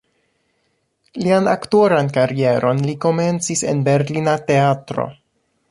Lian aktoran karieron li komencis en berlina teatro.